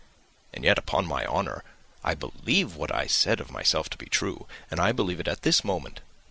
And yet, upon my honour, I believed what I said of myself to be true, and I believe it at this moment.